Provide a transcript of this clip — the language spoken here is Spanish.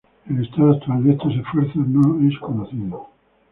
El estado actual de estos esfuerzos no es conocido.